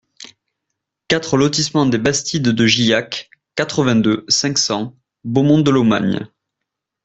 quatre lotissement Des Bastides de Gillac, quatre-vingt-deux, cinq cents, Beaumont-de-Lomagne